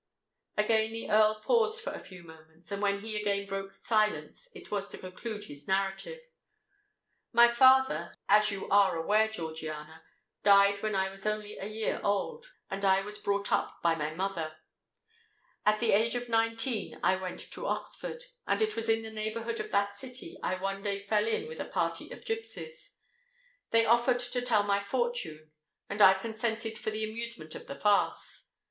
Again the Earl paused for a few moments; and when he again broke silence, it was to conclude his narrative. "My father, as you are aware, Georgiana, died when I was only a year old; and I was brought up by my mother. At the age of nineteen I went to Oxford; and it was in the neighbourhood of that city I one day fell in with a party of gipsies. They offered to tell my fortune; and I consented for the amusement of the farce.